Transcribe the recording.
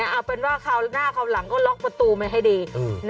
เอาเป็นว่าคราวหน้าคราวหลังก็ล็อกประตูมาให้ดี